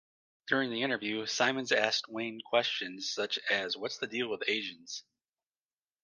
During the interview, Symons asked Wang questions such as What's the deal with Asians?